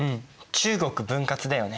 中国分割だよね。